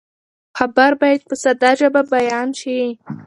خبر باید په ساده ژبه بیان شي.